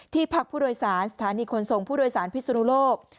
พักผู้โดยสารสถานีขนส่งผู้โดยสารพิศนุโลก